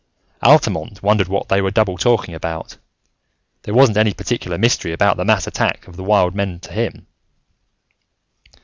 Altamont wondered what they were double talking about. There wasn't any particular mystery about the mass attack of the wild men to him.